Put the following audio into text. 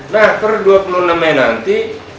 nah per dua puluh enam mei nanti